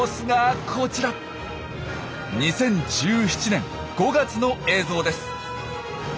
２０１７年５月の映像です。